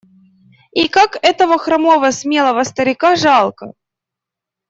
И как этого хромого смелого старика жалко!